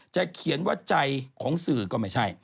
เขียนว่าใจของสื่อก็ไม่ใช่